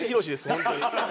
本当に。